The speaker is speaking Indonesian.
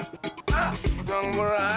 kagak mungkin peti aneh nih